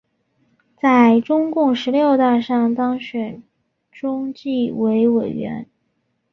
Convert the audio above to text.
在中共十六大上当选中纪委委员。